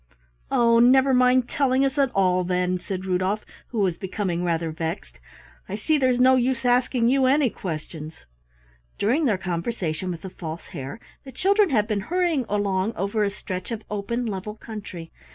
"Oh, never mind telling us at all, then," said Rudolf, who was becoming rather vexed, "I see there's no use asking you any questions." During their conversation with the False Hare, the children had been hurrying along over a stretch of open level country.